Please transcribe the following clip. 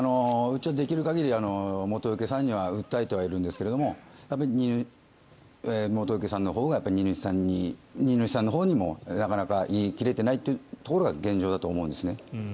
うちはできる限り元請けさんには訴えてはいるんですがやっぱり元請けさんのほうが荷主さんのほうにもなかなか言い切れてないところが現状だと思いますね。